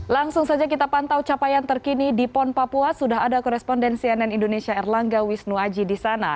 langsung saja kita pantau capaian terkini di pon papua sudah ada koresponden cnn indonesia erlangga wisnu aji di sana